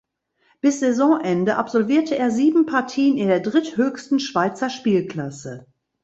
Bis Saisonende absolvierte er sieben Partien in der dritthöchsten Schweizer Spielklasse.